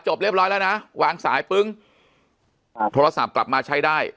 เรียบร้อยแล้วนะวางสายปึ้งอ่าโทรศัพท์กลับมาใช้ได้